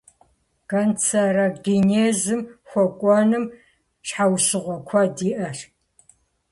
Канцерогенезым хуэкӀуэным щхьэусыгъуэ куэд иӀэщ.